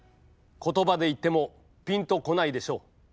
言葉で言ってもピンとこないでしょう。